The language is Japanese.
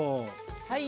はい。